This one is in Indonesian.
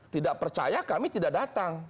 tidak percaya kami tidak datang